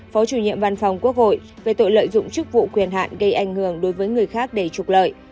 phó chủ nhiệm văn phòng quốc hội về tội lợi dụng chức vụ quyền hạn gây ảnh hưởng đối với người khác để trục lợi